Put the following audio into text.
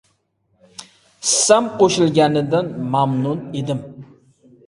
hissam qoʻshilganidan mamnun edim.